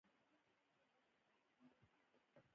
هر نسل خپل غږ راتلونکي ته رسوي.